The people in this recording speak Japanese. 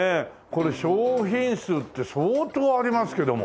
これ商品数って相当ありますけども。